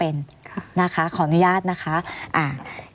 หรือว่าแม่ของสมเกียรติศรีจันทร์